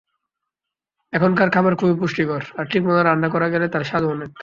এখনকার খাবার খুবই পুষ্টিকর, আর ঠিকমতো রান্না করা গেলে তার স্বাদও অনেক।